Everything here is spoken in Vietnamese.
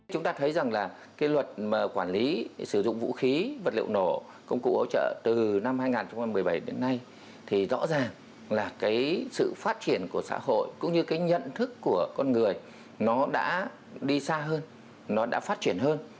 chúng ta thấy rằng là cái luật mà quản lý sử dụng vũ khí vật liệu nổ công cụ ấu trợ từ năm hai nghìn một mươi bảy đến nay thì rõ ràng là cái sự phát triển của xã hội cũng như cái nhận thức của con người nó đã đi xa hơn nó đã phát triển hơn